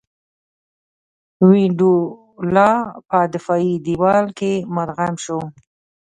وینډولا په دفاعي دېوال کې مدغم شو.